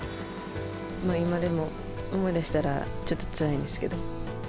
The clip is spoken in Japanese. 今でも思い出したら、ちょっとつらいんですけど。